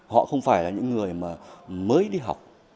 họ không phải là những người mà mới đi học